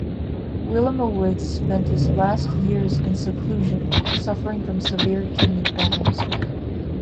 Wilamowitz spent his last years in seclusion, suffering from severe kidney problems.